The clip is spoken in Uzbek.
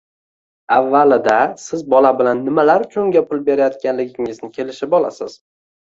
Avvalida siz bola bilan nimalar uchun unga pul berayotganligingizni kelishib olasiz